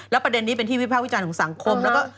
ประเด็นนี้เป็นที่วิภาควิจารณ์ของสังคมแล้วก็